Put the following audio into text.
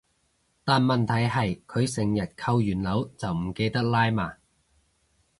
但問題係佢成日扣完鈕就唔記得拉嘛